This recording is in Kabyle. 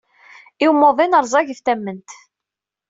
I umuḍin, rẓaget tamment.